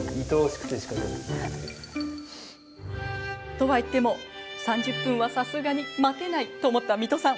とはいっても３０分はさすがに待てないと思った三戸さん